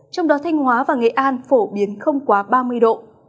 trong đó thanh hóa và nghệ an phổ biến không quá ba mươi độ